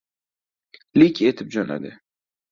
Lik etib jo‘nadi.